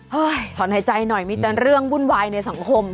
ถอนหายใจหน่อยมีแต่เรื่องวุ่นวายในสังคม